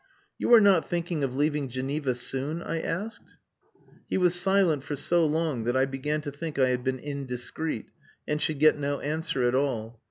"You are not thinking of leaving Geneva soon?" I asked. He was silent for so long that I began to think I had been indiscreet, and should get no answer at all.